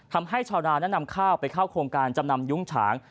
ทำให้ชาวนานั้นนำข้าวไปเข้าโครงการจำนำยุ้งฉาง